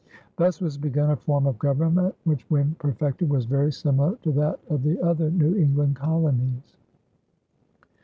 Thus was begun a form of government which when perfected was very similar to that of the other New England colonies.